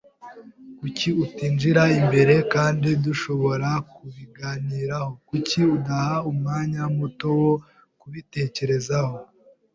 Kuki utinjira imbere kandi dushobora kubiganiraho? Kuki udaha umwanya muto wo kubitekerezaho?